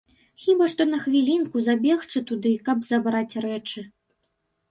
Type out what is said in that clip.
Хіба што на хвілінку забегчы туды, каб забраць рэчы.